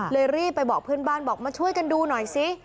รีบไปบอกเพื่อนบ้านบอกมาช่วยกันดูหน่อยซิ